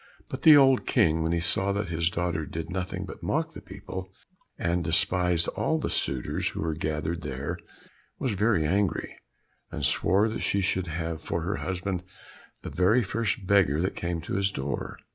But the old King, when he saw that his daugher did nothing but mock the people, and despised all the suitors who were gathered there, was very angry, and swore that she should have for her husband the very first beggar that came to his doors.